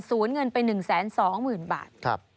สูญเงินไป๑๒๐๐๐๐บาท